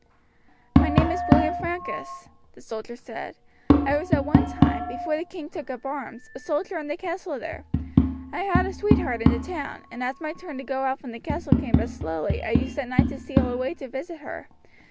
"My name is William Francus," the soldier said. "I was at one time, before the king took up arms, a soldier in the castle there. I had a sweetheart in the town, and as my turn to go out from the castle came but slowly I used at night to steal away to visit her.